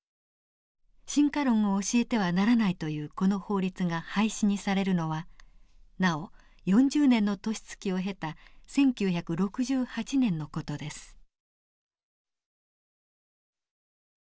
進化論を教えてはならないというこの法律が廃止にされるのはなお４０年の年月を経た１９６８年の事です。